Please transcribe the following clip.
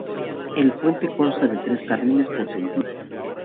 El puente consta de tres carriles por sentido.